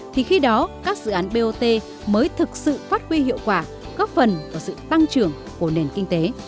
thì khi đó các dự án bot mới thực sự phát huy hiệu quả góp phần vào sự tăng trưởng của nền kinh tế